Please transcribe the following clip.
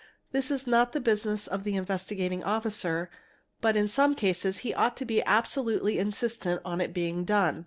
this is not the business of the Investigating Officer but in some cases he ought to absolutely insist on its being done.